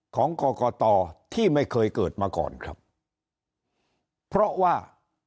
ของกรกตที่ไม่เคยเกิดมาก่อนครับเพราะว่า